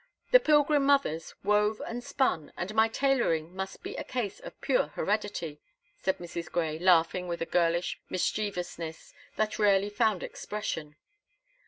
The Pilgrim mothers wove and spun, and my tailoring must be a case of pure heredity," said Mrs. Grey, laughing with a girlish mischievousness that rarely found expression.